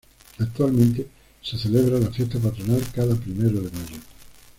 Actualmente se celebra la fiesta patronal cada primero de mayo.